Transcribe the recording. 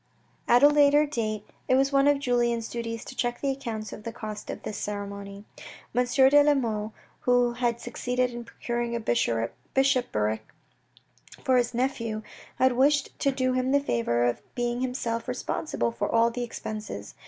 At a later date, it was one of Julien's duties to check the accounts of the cost of this ceremony. M. de la Mole, who had succeeded in procuring a bishopric for his nephew, had wished to do him the favour of being himself responsible for all the expenses.